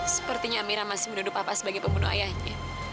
sepertinya amirah masih menuduh papa sebagai pembunuh ayahnya